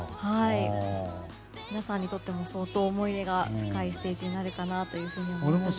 皆さんにとっても相当思い入れが高いステージになるかと思います。